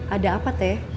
ada apa te